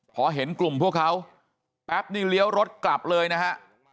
พอเห็นกลุ่มพวกเขาแป๊บนี่เลี้ยวรถกลับเลยนะฮะ